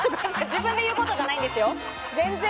自分で言うことじゃないんですよ。